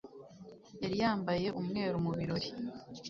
Yari yambaye umweru mu birori.